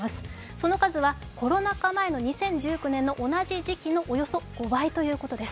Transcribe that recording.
その数はコロナ禍前の２００９年の同じ時期のおよそ５倍ということです。